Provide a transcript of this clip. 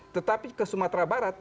tetapi ke sumatera barat